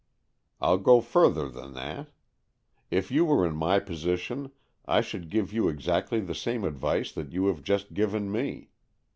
I'll go further than that. If you were in my position, I should give you exactly the same advice that you have just given me.